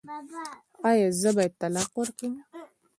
ایا زه باید طلاق ورکړم؟